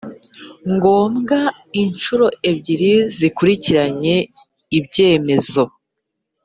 ngombwa inshuro ebyiri zikurikiranye ibyemezo